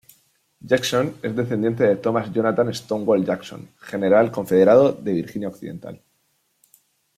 Jackson es descendiente de Thomas Jonathan "Stonewall" Jackson, general confederado de Virginia Occidental.